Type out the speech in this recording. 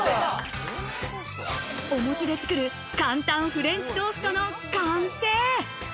お餅で作る簡単フレンチトーストの完成。